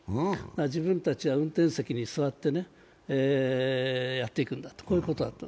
自分たちは運転席に座ってやっていくんだと、こういうことだった。